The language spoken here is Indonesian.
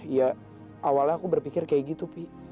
ya awalnya aku berpikir kayak gitu pi